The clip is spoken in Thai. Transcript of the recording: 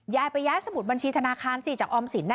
ย้ายไปย้ายสมุดบัญชีธนาคารสิจากออมสิน